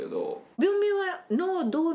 病名は。